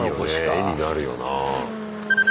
絵になるよな。